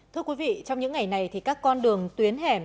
thưa quý vị trong những ngày này thì các con đường tuyến hẻm